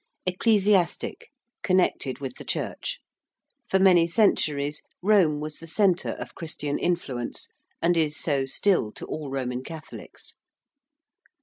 ~Ecclesiastic~: connected with the Church. For many centuries Rome was the centre of Christian influence, and is so still to all Roman Catholics.